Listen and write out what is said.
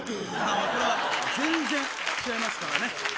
これは全然違いますからね。